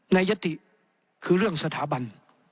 ยติคือเรื่องสถาบัน